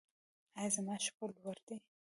ایا زما شکر لوړ دی؟